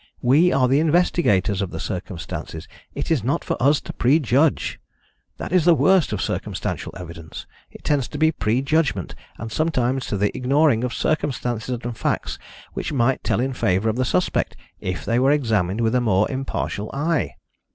We are the investigators of the circumstances: it is not for us to prejudge. That is the worst of circumstantial evidence: it tends to prejudgment, and sometimes to the ignoring of circumstances and facts which might tell in favour of the suspect, if they were examined with a more impartial eye.